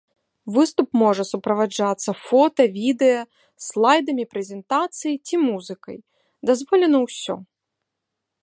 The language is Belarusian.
Выступ можа суправаджацца фота, відэа, слайдамі прэзентацыі ці музыкай, дазволена ўсё.